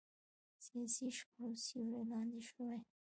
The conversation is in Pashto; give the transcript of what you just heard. سیاسي شخړو سیوري لاندې شوي.